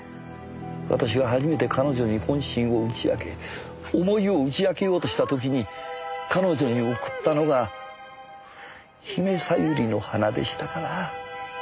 私が初めて彼女に本心を打ち明け思いを打ち明けようとした時に彼女に贈ったのが姫小百合の花でしたから。